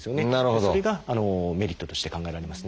それがメリットとして考えられますね。